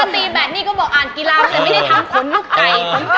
เป็นแต่เธอสน่ำแบบ